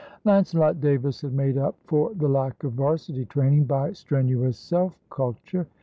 Lancelot Davis had made up for the lack of 'Varsity training by strenuous self culture.